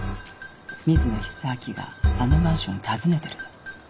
水野久明があのマンションを訪ねてるの。